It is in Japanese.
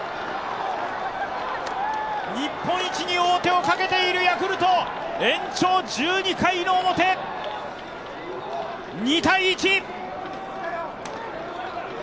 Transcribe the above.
日本一に王手をかけているヤクルト、延長１２回の表、２−１。